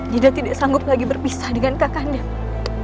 dinda tidak sanggup lagi berpisah dengan kak kandai